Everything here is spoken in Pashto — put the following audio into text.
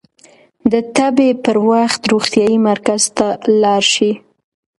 د تبې پر وخت روغتيايي مرکز ته لاړ شئ.